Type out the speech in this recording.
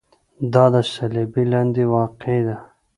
دا د صلبیې لاندې واقع ده.